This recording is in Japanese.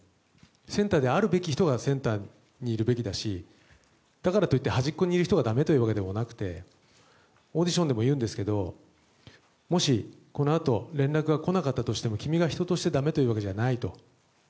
センターであるべき人がセンターにいるべきだしだからといって端っこにいる人がだめというわけでもなくてオーディションでも言うんですけどもし、このあと連絡が来なかったとしても君が人としてだめというわけではないと。